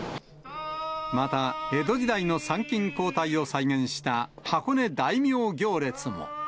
また江戸時代の参勤交代を再現した箱根大名行列も。